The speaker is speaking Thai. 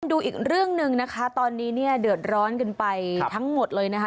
ดูอีกเรื่องหนึ่งนะคะตอนนี้เนี่ยเดือดร้อนกันไปทั้งหมดเลยนะคะ